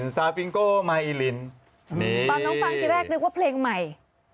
น้องฟังที่แรกนึกว่าเพลงใหม่